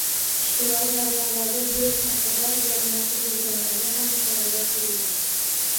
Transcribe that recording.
Ijtimoiy tarmoqlarda virus haqida yozmoqchi boʻlganlarga ham choralar koʻrilgan